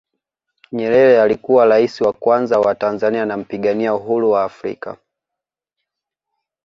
nyerere alikuwa raisi wa kwanza wa tanzania na mpigania Uhuru wa africa